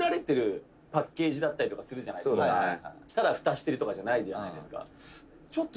「ただフタしてるとかじゃないじゃないですか」